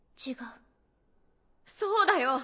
そうだよ！